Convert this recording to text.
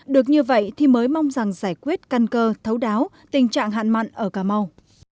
được như vậy thì mới mong rằng giải quyết căn cơ thấu đáo tình trạng hạn mặn ở cà mau